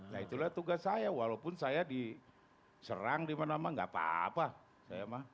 nah itulah tugas saya walaupun saya diserang dimana mana gak apa apa